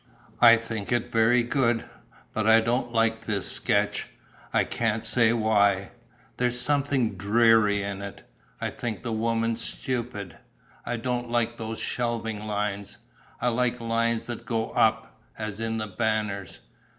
"I think it very good, but I don't like this sketch. I can't say why. There's something dreary in it. I think the woman stupid. I don't like those shelving lines: I like lines that go up, as in The Banners.